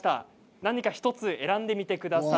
何か１つ選んでみてください。